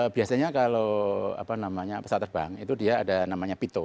biasanya kalau pesawat terbang itu dia ada namanya pito